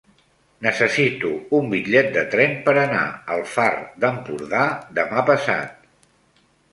Necessito un bitllet de tren per anar al Far d'Empordà demà passat.